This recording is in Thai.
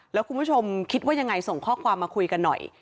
แล้วคุณผู้ชมคิดว่ายังไงส่งข้อความมาคุยกันหน่อย